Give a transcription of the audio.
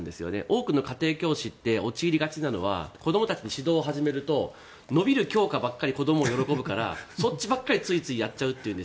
多くの家庭教師が陥りがちなのは子供たちの指導を始めると伸びる教科ばかり子供が喜ぶからそっちばかりついついやっちゃうと。